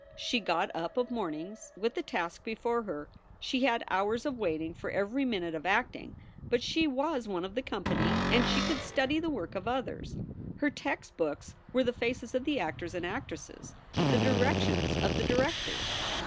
She got up of mornings with a task before her. She had hours of waiting for every minute of acting, but she was one of the company and she could study the work of others. Her textbooks were the faces of the actors and actresses, the directions of the directors.